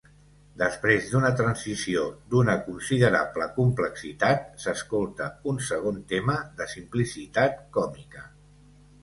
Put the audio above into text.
Després d'una transició d'una considerable complexitat, s'escolta un segon tema de simplicitat còmica.